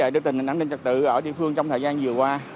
được tình hình an ninh trật tự ở địa phương trong thời gian vừa qua